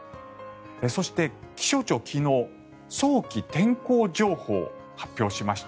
そして気象庁、昨日早期天候情報を発表しました。